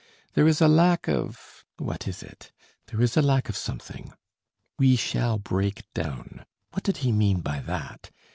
There is a lack of ... what is it? There is a lack of something.... 'We shall break down.' What did he mean by that?